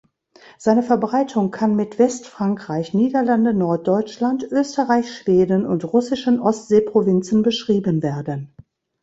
Seine Verbreitung kann mit Westfrankreich, Niederlande, Norddeutschland, Österreich, Schweden und russischen Ostseeprovinzen beschrieben werden.